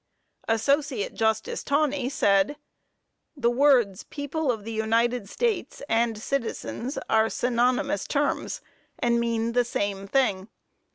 Associate Justice Taney said: "The words 'people of the United States,' and 'citizens,' are synonymous terms, and mean the same thing.